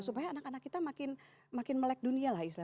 supaya anak anak kita makin melek dunia lah